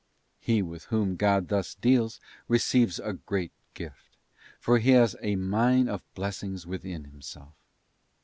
He with whom God thus deals receives a great gift; for he has a mine of bless ings within himself.